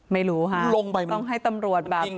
ไม่รู้ค่ะต้องให้ตำรวจแบบ